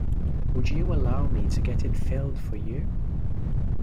Would you allow me to get it filled for you?